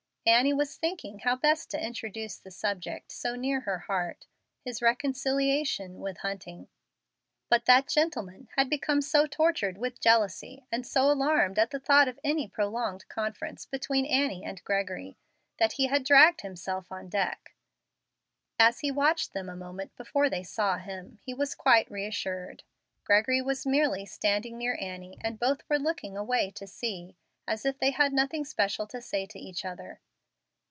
Annie was thinking how best to introduce the subject so near her heart, his reconciliation with Hunting. But that gentleman had become so tortured with jealousy and so alarmed at the thought of any prolonged conference between Annie and Gregory, that he dragged himself on deck. As he watched them a moment before they saw him, he was quite reassured. Gregory was merely standing near Annie, and both were looking away to sea, as if they had nothing special to say to each other.